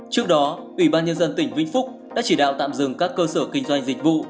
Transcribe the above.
trước đó ủy ban nhân dân tỉnh vĩnh phúc đã chỉ đạo tạm dừng các cơ sở kinh doanh dịch vụ